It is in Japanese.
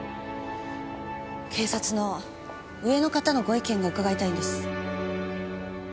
警察の上の方のご意見を伺いたいんです。